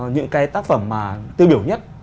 những cái tác phẩm tư biểu nhất